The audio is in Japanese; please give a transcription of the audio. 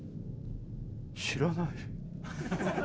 知らない。